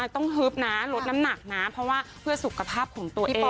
ต้องฮึบนะลดน้ำหนักนะเพราะว่าเพื่อสุขภาพของตัวเอง